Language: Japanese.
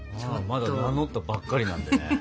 まだ名乗ったばっかりなんでね。